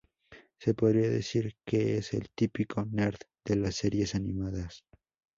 Se podría decir que es el típico "nerd" de las series animadas.